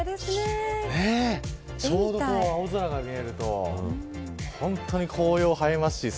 ちょうど青空が見えると本当に紅葉が映えます。